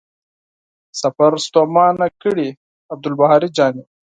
سفر ستومانه کړی.عبدالباري جهاني